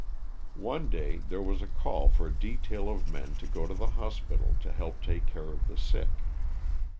One day there was a call for a detail of men to go to the hospital to help take care of the sick.